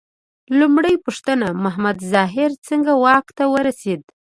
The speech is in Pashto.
لومړۍ پوښتنه: محمد ظاهر څنګه واک ته ورسېد؟